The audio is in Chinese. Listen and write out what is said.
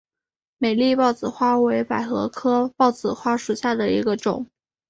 美丽豹子花为百合科豹子花属下的一个种。